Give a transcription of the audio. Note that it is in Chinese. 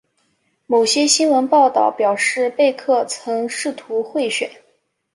某些新闻报道表示贝克曾试图贿选。